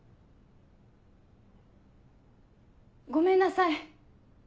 ごめんなさい。